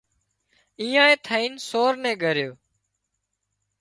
ايئان ٿئينَ سور نين ڳريو